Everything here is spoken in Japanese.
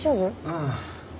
うん。